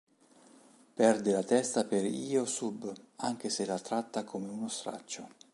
Perde la testa per Hyo-Sub, anche se la tratta come uno straccio.